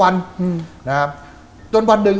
บางคนก็สันนิฐฐานว่าแกโดนคนติดยาน่ะ